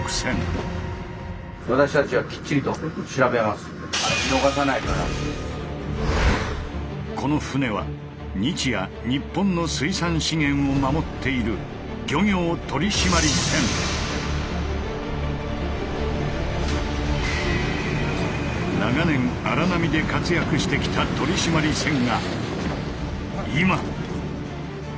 私たちはこの船は日夜日本の水産資源を守っている長年荒波で活躍してきた取締船が今！